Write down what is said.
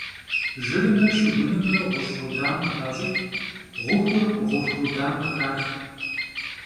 Jjırımre şşıgunımre ğuş' rudam khıxaş'ıç', ğuxur ğuxu rudam khıxax.